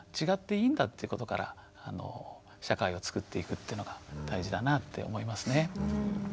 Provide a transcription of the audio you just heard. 違っていいんだということから社会を作っていくというのが大事だなって思いますね。